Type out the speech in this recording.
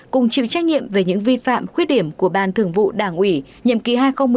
cùng chịu trách nhiệm về những vi phạm khuyết điểm của ban thường vụ đảng ủy nhiệm kỳ hai nghìn một mươi năm hai nghìn hai mươi